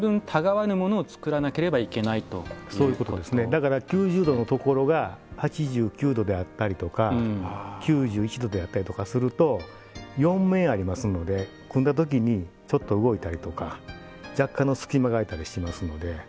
だから９０度のところが８９度であったりとか９１度であったりとかすると４面ありますので組んだときにちょっと動いたりとか若干の隙間が開いたりしますので。